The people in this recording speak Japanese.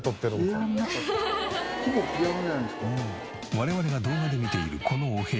我々が動画で見ているこのお部屋。